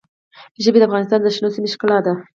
ژبې د افغانستان د شنو سیمو ښکلا ده.